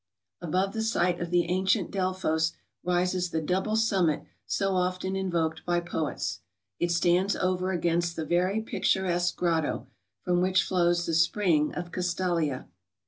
Above the site of the ancient Delphos rises the double summit so often invoked by poets. It stands over against the very picturesque grotto, from which flows the spring of Castalia.